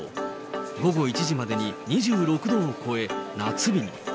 午後１時までに２６度を超え、夏日に。